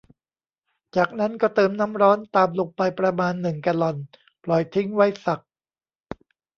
จากนั้นก็เติมน้ำร้อนตามลงไปประมาณ หนึ่ง แกลลอน ปล่อยทิ้งไว้สัก